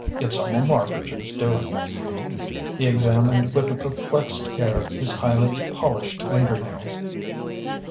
It's all Marbridge's doing." He examined with a perplexed air his highly polished fingernails....